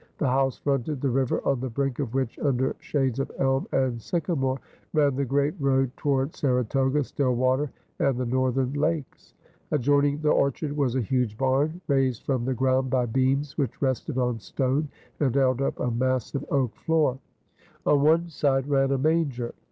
"The house fronted the river, on the brink of which, under shades of elm and sycamore, ran the great road toward Saratoga, Stillwater, and the northern lakes." Adjoining the orchard was a huge barn raised from the ground by beams which rested on stone and held up a massive oak floor. On one side ran a manger.